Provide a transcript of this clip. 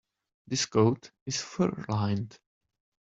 This coat is fur-lined.